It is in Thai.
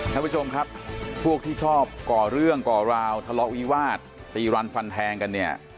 ทุกคนที่ชอบก่อเรื่องก่อราวทะเลาะวิวาสตีรันฟันแทงกันเนี่ย